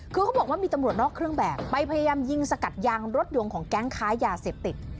คือเขาบอกว่ามีตำรวจนอกเครื่องแบบไปพยายามยิงสกัดยางรถยนต์ของแก๊งค้ายาเสพติด